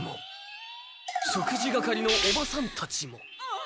食事係のおばさんたちも。